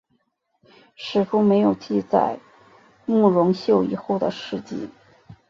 史书没有记载慕容秀以后的事迹。